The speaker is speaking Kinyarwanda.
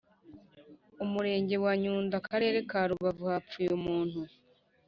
Umurenge wa Nyundo Akarere ka Rubavu hapfuye umuntu